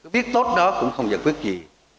viết tốt đó cũng không giải quyết gì